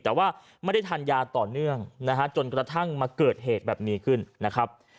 แต่ว่าไม่ได้ทานยาต่อเนื่องนะฮะจนกระทั่งมาเกิดเหตุแบบนี้ขึ้นนะครับ